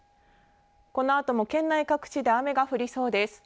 このあとも県内各地で雨が降りそうです。